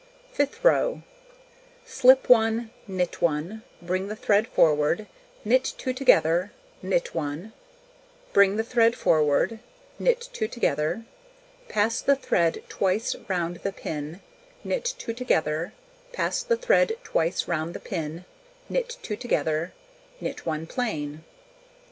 Fifth row: Slip 1, knit 1, bring the thread forward, knit 2 together, knit 1, bring the thread forward, knit 2 together, pass the thread twice round the pin, knit 2 together, pass the thread twice round the pin, knit 2 together, knit 1 plain.